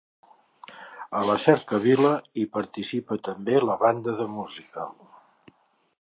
A la cercavila hi participa també la banda de música.